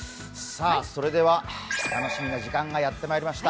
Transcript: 楽しみな時間がやってまいりました。